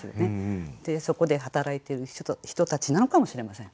そこで働いている人たちなのかもしれません。